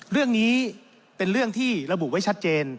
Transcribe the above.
เรื่องนี้เป็นเรื่องที่ระบุไว้ชัดเจน